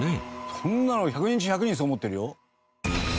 こんなの１００人中１００人そう思ってるよ。